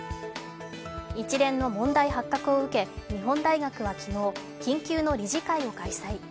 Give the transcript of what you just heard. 一連の問題発覚を受け、日本大学は昨日、緊急の理事会を開催。